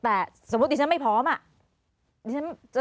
แต่สมมติดิฉันไม่พอมา